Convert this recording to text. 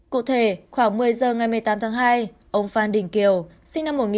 cụ thể khoảng một mươi giờ ngày một mươi tám tháng hai ông phan đình kiều sinh năm một nghìn chín trăm tám mươi